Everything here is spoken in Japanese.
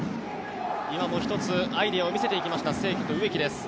今も１つアイデアを見せていきました清家と植木です。